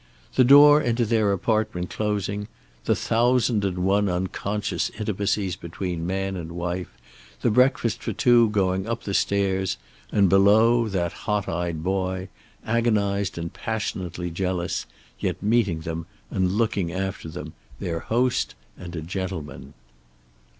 The door into their apartment closing, the thousand and one unconscious intimacies between man and wife, the breakfast for two going up the stairs, and below that hot eyed boy, agonized and passionately jealous, yet meeting them and looking after them, their host and a gentleman.